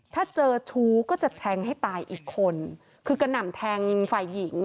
ถ้าเจอชู้ก็จะแทงให้ตายอีกคนคือกระหน่ำแทงฝ่ายหญิง